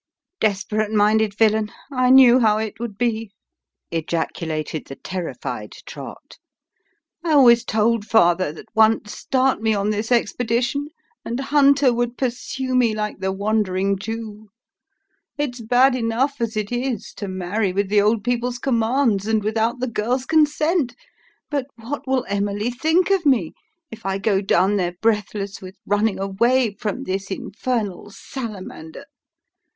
" Desperate minded villain ! I knew how it would be !" ejaculated the terrified Trott. " I always told father, that once start me on this expedition, and Hunter would pursue me like the Wandering Jew. It's bad enough as it is, to marry with the old people's commands, and without the girl's consent ; but what will Emily think of me, if I go down there breathless with running away from this infernal sala mander